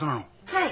はい。